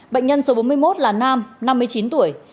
bệnh nhân số bốn mươi một là nam năm mươi chín tuổi